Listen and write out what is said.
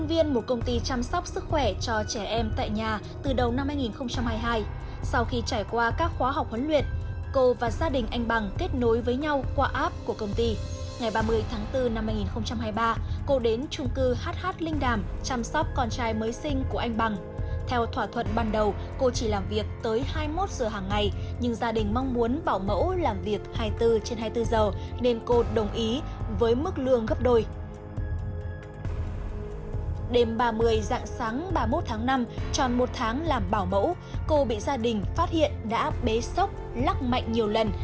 vì dạng sáng ba mươi một tháng năm tròn một tháng làm bảo mẫu cô bị gia đình phát hiện đã bế sốc lắc mạnh nhiều lần